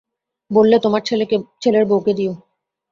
বললে, তোমার ছেলের বউকে দিয়ো।